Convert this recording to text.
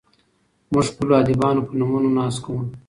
موږ د خپلو ادیبانو په نومونو ناز کوو.